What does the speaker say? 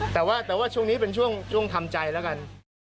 แต่ว่าช่วงนี้เป็นช่วงทำใจแล้วกัน